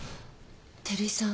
照井さん